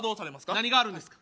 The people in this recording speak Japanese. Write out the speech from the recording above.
何があるんですか？